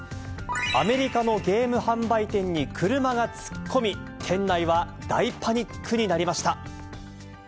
アメリカのゲーム販売店に車が突っ込み、店内は大パニックになりました。